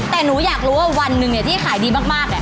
แต่หนูอยากรู้ว่าวันหนึ่งที่ขายดีมาก